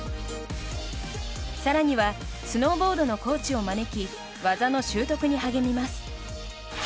更には、スノーボードのコーチを招き技の習得に励みます。